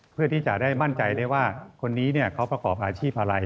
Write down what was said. เพื่อที่จะได้มั่นใจได้ว่าคนนี้เขาประกอบอาชีพอะไร